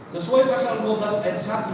sesuai pasal dua belas n satu